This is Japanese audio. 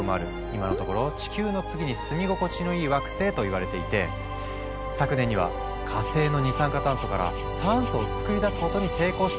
今のところ「地球の次に住み心地のいい惑星」といわれていて昨年には火星の二酸化炭素から酸素を作り出すことに成功したってニュースも。